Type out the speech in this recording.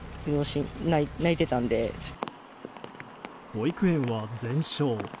保育園は全焼。